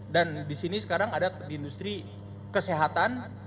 dan di sini sekarang ada di industri kesehatan